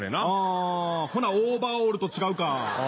あほなオーバーオールと違うか。